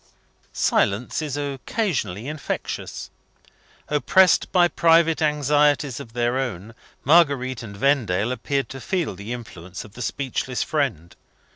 Silence is occasionally infectious. Oppressed by private anxieties of their own, Marguerite and Vendale appeared to feel the influence of the speechless friend.